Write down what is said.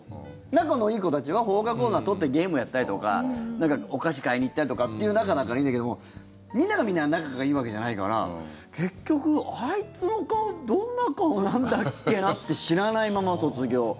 仲のいい子たちは放課後取ってゲームをやったりとかお菓子買いに行ったりとかって仲だからいいんだけどもみんながみんな仲がいいわけじゃないから結局、あいつの顔どんな顔なんだっけな？って知らないまま卒業。